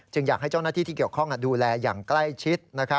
อยากให้เจ้าหน้าที่ที่เกี่ยวข้องดูแลอย่างใกล้ชิด